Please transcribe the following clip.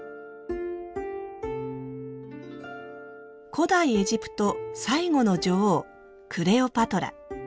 古代エジプト最後の女王クレオパトラ。